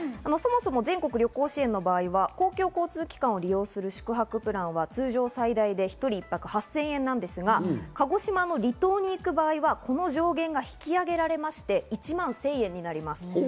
そもそも全国旅行支援の場合は公共交通機関を利用する宿泊プランは通常最大で一人１泊８０００円なんですが、鹿児島の離島に行く場合はこの上限が引き上げられまして、１万１０００円になります。